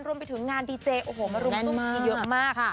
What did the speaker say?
รวมไปถึงงานดีเจโอ้โหมารุมตุ้มชีเยอะมาก